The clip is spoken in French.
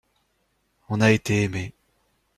On a été aimé.